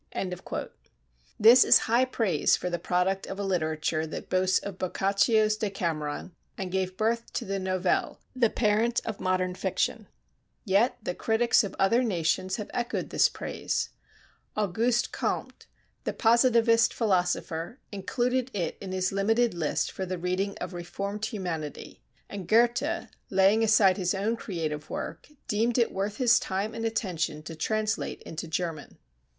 This is high praise for the product of a literature that boasts of Boccaccio's 'Decameron,' and gave birth to the novelle, the parent of modern fiction. Yet the critics of other nations have echoed this praise. Auguste Comte, the positivist philosopher, included it in his limited list for the reading of reformed humanity, and Goethe, laying aside his own creative work, deemed it worth his time and attention to translate into German.